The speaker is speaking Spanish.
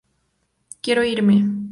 Quiero irme.